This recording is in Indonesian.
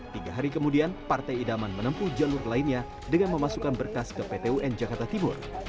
tiga hari kemudian partai idaman menempuh jalur lainnya dengan memasukkan berkas ke pt un jakarta timur